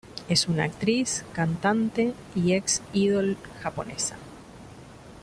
Es una actriz, cantante y ex Idol japonesa.